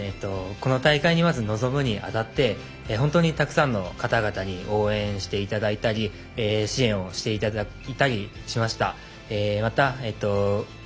この大会に臨むにあたって本当にたくさんのかたがたに応援していただいたり支援をしていただいたりしました。